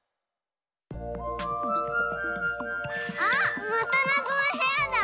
あまたなぞのへやだ！